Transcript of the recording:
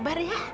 mbak kasih clear